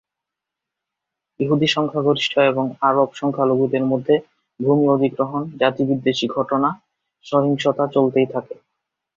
ইহুদি সংখ্যাগরিষ্ঠ এবং আরব সংখ্যালঘুদের মধ্যে ভূমি অধিগ্রহণ, জাতিবিদ্বেষী ঘটনা, সহিংসতা চলতেই থাকে।